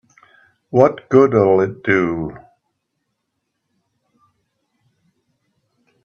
What good'll it do?